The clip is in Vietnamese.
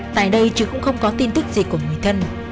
tại đây chứ cũng không có tin tức gì của người thân